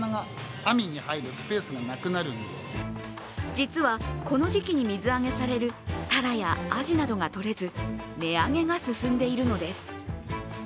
実は、この時期に水揚げされるタラやアジなどがとれず値上げが進んでいるのです。